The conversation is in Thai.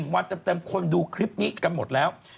วันเต็มคนดูคลิปนี้กันหมดแล้ว